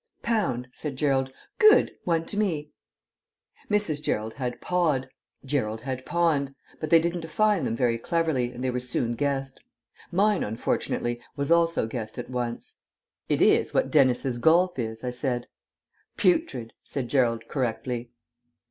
"'Pound,'" said Gerald. "Good one to me." Mrs. Gerald had "pod," Gerald had "pond"; but they didn't define them very cleverly and they were soon guessed. Mine, unfortunately, was also guessed at once. "It is what Dennis's golf is," I said. "'Putrid,'" said Gerald correctly.